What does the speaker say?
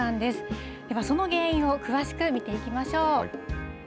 ではその原因を詳しく見ていきましょう。